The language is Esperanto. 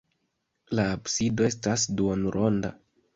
La absido estas duonronda.